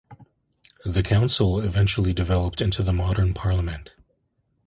The Council eventually developed into the modern Parliament.